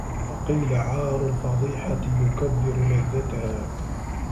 وَقِيلَ عَارُ الْفَضِيحَةِ يُكَدِّرُ لَذَّتَهَا